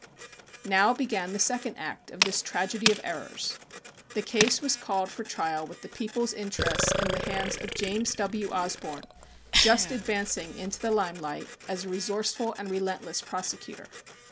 Now began the second act of this tragedy of errors. The case was called for trial with the People's interests in the hands of James W. Osborne, just advancing into the limelight as a resourceful and relentless prosecutor.